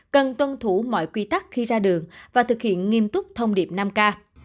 cần tuân thủ mọi quy tắc khi ra đường và thực hiện nghiêm túc thông điệp năm k